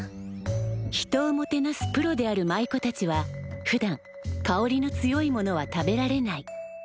人をもてなすプロである舞妓たちはふだん香りの強いものは食べられない。